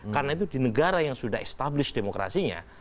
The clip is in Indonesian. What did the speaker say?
karena itu di negara yang sudah establish demokrasinya